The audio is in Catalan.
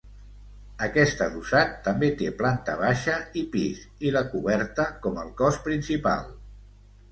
Aquest adossat, també té planta baixa i pis, i la coberta com el cos principal.